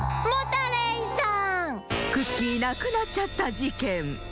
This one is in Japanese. クッキーなくなっちゃったじけん。